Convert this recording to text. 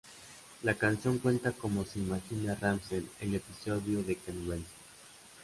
La canción cuenta cómo se imaginan Rammstein el episodio de canibalismo.